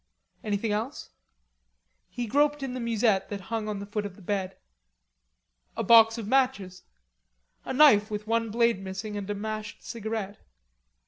Anything else? He groped in the musette that hung on the foot of the bed. A box of matches. A knife with one blade missing, and a mashed cigarette.